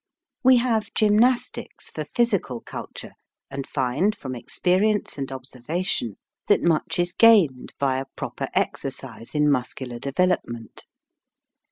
We have gymnastics for physical culture and find, from experience and observation, that much is gained by a proper exercise in muscular devel opment.